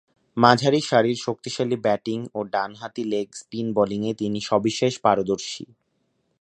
মাঝারি সারির শক্তিশালী ব্যাটিং ও ডানহাতি লেগ-স্পিন বোলিংয়ে তিনি সবিশেষ পারদর্শী।